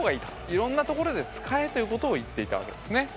いろんなところで使えということを言っていたわけですね。